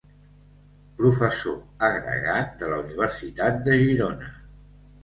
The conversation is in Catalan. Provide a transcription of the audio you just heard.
Professor Agregat de la Universitat de Girona.